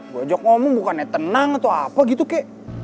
gua ajak ngomong bukannya tenang atau apa gitu kek